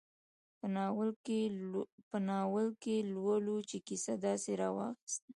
په ناول کې لولو چې کیسه داسې راواخیسته.